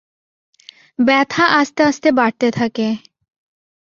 ব্যাথা আস্তে আস্তে বাড়তে থাকে।